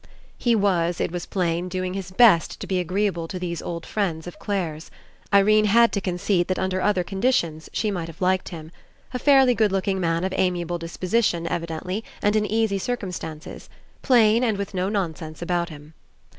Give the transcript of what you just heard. He was, it was plain, doing his best to be agreeable to these old friends of Clare's. Irene had to concede that under other condi tions she might have liked him. A fairly good looking man of amiable disposition, evidently, and in easy circumstances. Plain and with no nonsense about him.